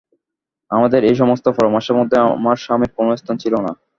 আমাদের এই-সমস্ত পরামর্শের মধ্যে আমার স্বামীর কোনো স্থান ছিল না।